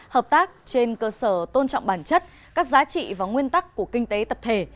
hợp tác trên cơ sở tôn trọng bản chất các giá trị và nguyên tắc của kinh tế tập thể